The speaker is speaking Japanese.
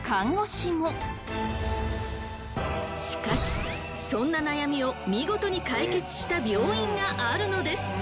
しかしそんな悩みを見事に解決した病院があるのです！